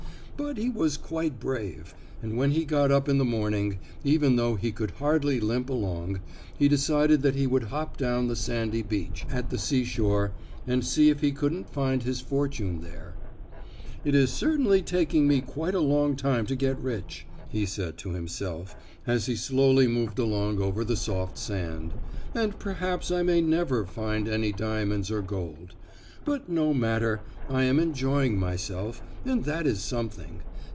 But he was quite brave, and when he got up in the morning, even though he could hardly limp along, he decided that he would hop down the sandy beach at the seashore and see if he couldn't find his fortune there. "It is certainly taking me quite a long time to get rich," he said to himself as he slowly moved along over the soft sand, "and perhaps I may never find any diamonds or gold. But no matter, I am enjoying myself, and that is something.